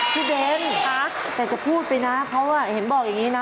เบนแต่จะพูดไปนะเขาเห็นบอกอย่างนี้นะ